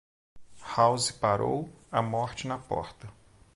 House parou, a morte na porta.